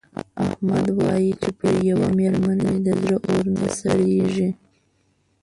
احمد وايې چې پر یوه مېرمن مې د زړه اور نه سړېږي.